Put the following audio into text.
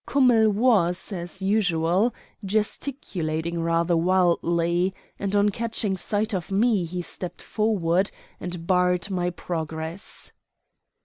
Kummell was, as usual, gesticulating rather wildly, and on catching sight of me he stepped forward and barred my progress.